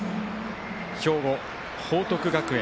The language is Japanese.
兵庫・報徳学園